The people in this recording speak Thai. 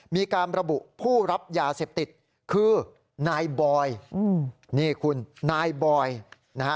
มีการระบุผู้รับยาเสพติดคือนายบอยนี่คุณนายบอยนะฮะ